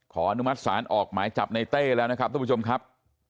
ขออนุมัติศาลออกห์หมายจับในเต้แล้วท่านผู้ชมครับ